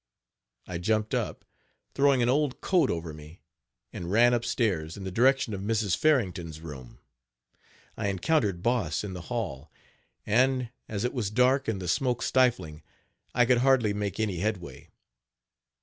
I jumped up, throwing an old coat over me, Page 75 and ran up stairs, in the direction of Mrs. Farrington's room, I encountered Boss in the hall; and, as it was dark and the smoke stifling, I could hardly make any headway.